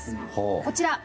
こちら。